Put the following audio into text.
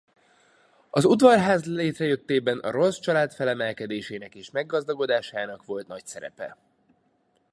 Az udvarház létrejöttében a Rolls család felemelkedésének és meggazdagodásának volt nagy szerepe.